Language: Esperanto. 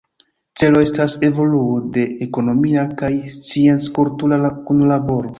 Celo estas evoluo de ekonomia kaj scienc-kultura kunlaboro.